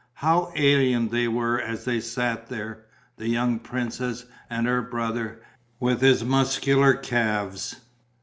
How alien they were as they sat there, the young princess and her brother, with his muscular calves!